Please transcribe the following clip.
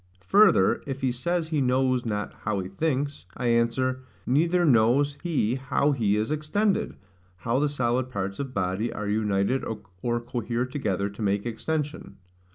Further, if he says he knows not how he thinks, I answer, Neither knows he how he is extended, how the solid parts of body are united or cohere together to make extension.